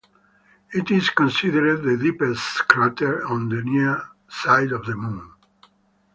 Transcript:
It is considered the deepest crater on the near side of the Moon.